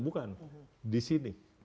bukan di sini